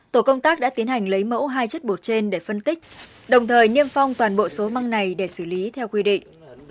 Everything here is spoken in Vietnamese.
tổ công tác đã tiến hành lấy mẫu hai chất bột trên để phân tích đồng thời niêm phong toàn bộ số măng này để xử lý theo quy định